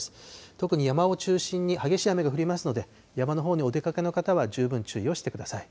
特に山を中心に激しい雨が降りますので、山のほうにお出かけの方は十分注意をしてください。